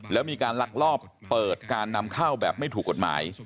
แล้วมีการลักลอบเปิดการนำเข้าแบบไม่ถูกกฎหมาย